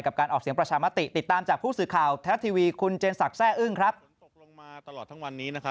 กับการออกเสียงประชามาติติดตามจากผู้สื่อข่าว